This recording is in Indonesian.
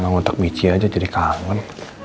nanggutak bici aja jadi kangen